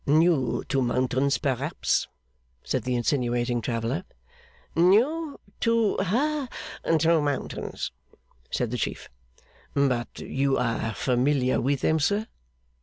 'New to mountains, perhaps?' said the insinuating traveller. 'New to ha to mountains,' said the Chief. 'But you are familiar with them, sir?